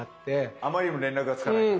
あまりにも連絡がつかないから。